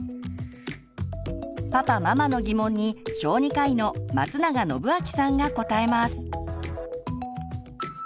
パパママの疑問に小児科医の松永展明さんが答えます。